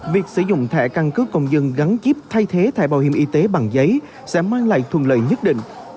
việc sử dụng thẻ căn cước công dân gắn chip thay thế thẻ bảo hiểm y tế bằng giấy sẽ mang lại thuận lợi nhất định